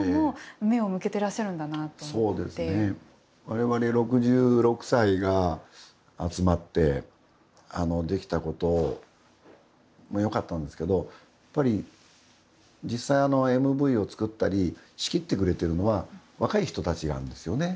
われわれ６６歳が集まってできたこともよかったんですけどやっぱり実際ＭＶを作ったり仕切ってくれてるのは若い人たちなんですよね。